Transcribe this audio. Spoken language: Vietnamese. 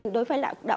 đối với đạo công giáo